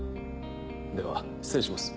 では失礼します。